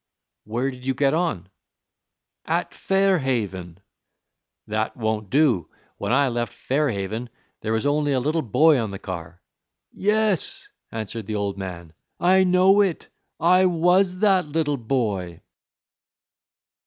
"Where did you get on?" "At Fair Haven." "That won't do! When I left Fair Haven there was only a little boy on the car." "Yes," answered the old man, "I know it. I was that little boy."